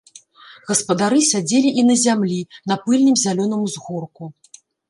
Гаспадары сядзелі і на зямлі, на пыльным зялёным узгорку.